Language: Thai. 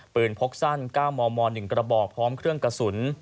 พกสั้น๙มม๑กระบอกพร้อมเครื่องกระสุน